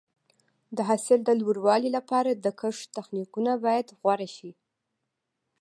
د حاصل د لوړوالي لپاره د کښت تخنیکونه باید غوره شي.